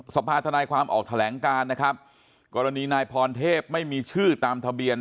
สภาธนายความออกแถลงการนะครับกรณีนายพรเทพไม่มีชื่อตามทะเบียน